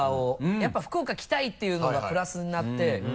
やっぱ「福岡来たい」っていうのがプラスになって。